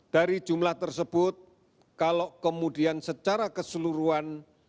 dari jumlah tersebut kalau kemudian secara keseluruhan